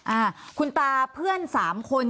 อ่าคุณตาเพื่อนสามคน